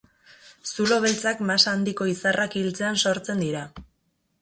Zulo beltzak masa handiko izarrak hiltzean sortzen dira.